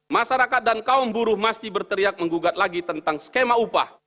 masyarakat dan kaum buruh mesti berteriak menggugat lagi tentang skema upah